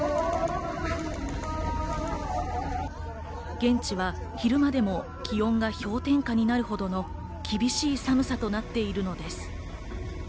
現地は昼間でも気温が氷点下になるほどの厳しい寒さとなっているのです。